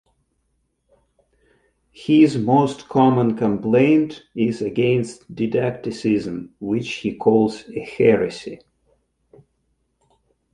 His most common complaint is against didacticism, which he calls a "heresy".